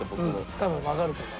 多分わかると思う。